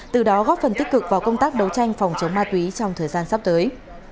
từ đó góp phần tích cực vào công tác đấu tranh phòng chống ma túy trong thời gian sắp tới